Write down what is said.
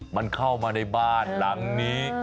มันเข้ามาในบ้านหลังนี้